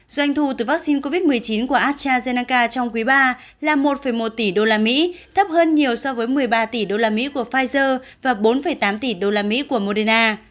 doanh thu từ vaccine covid một mươi chín của astrazeneca trong quý ba là một một tỷ usd thấp hơn nhiều so với một mươi ba tỷ usd của pfizer và bốn tám tỷ usd của moderna